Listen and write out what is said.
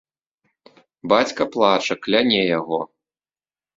Бацька плача, кляне яго.